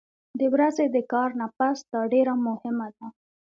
د ورځې د کار نه پس دا ډېره مهمه ده